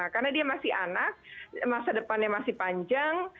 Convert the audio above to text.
karena dia masih anak masa depannya masih panjang